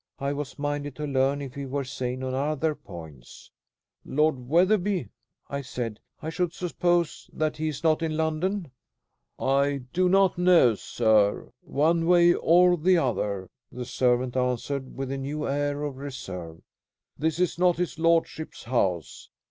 I was minded to learn if he were sane on other points. "Lord Wetherby," I said, "I should suppose that he is not in London?" "I do not know sir, one way or the other," the servant answered with a new air of reserve. "This is not his lordship's house.